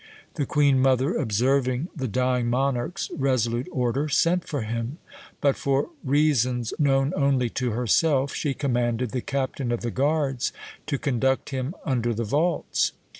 The queen mother observing the dying monarch's resolute order, sent for him; but, for reasons known only to herself, she commanded the captain of the guards to conduct him under the vaults.